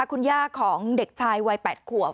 คุณย่าของเด็กชายวัย๘ขวบ